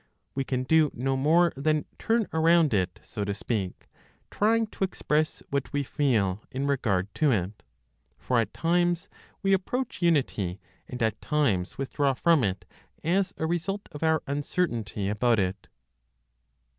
We can do no more than turn around it, so to speak, trying to express what we feel (in regard to it); for at times we approach Unity, and at times withdraw from it as a result of our uncertainty about it.